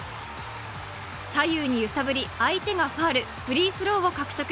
左右に揺さぶり、相手がファウル、フリースローを獲得。